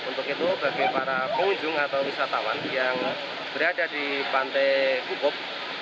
untuk itu bagi para pengunjung atau wisatawan yang berada di pantai kukub